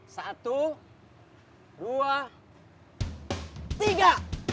satu dua tiga